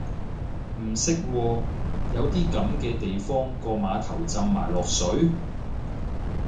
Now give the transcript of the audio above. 唔識喎，有啲噉嘅地方個碼頭浸埋落水？